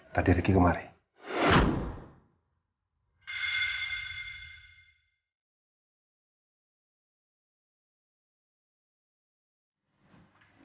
tadi riki kemarin